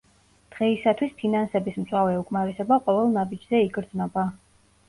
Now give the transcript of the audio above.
დღეისათვის ფინანსების მწვავე უკმარისობა ყოველ ნაბიჯზე იგრძნობა.